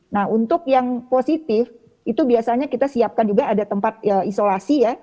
nah untuk yang positif itu biasanya kita siapkan juga ada tempat isolasi ya